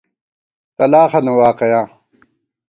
تلاخَنہ واقَیا